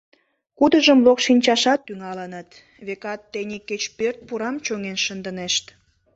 Кудыжым локшинчашат тӱҥалыныт, векат, тений кеч пӧрт пурам чоҥен шындынешт.